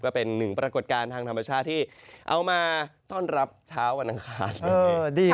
ก็เป็นหนึ่งปรากฏการณ์ทางธรรมชาติที่เอามาต้อนรับเช้าวันอังคาร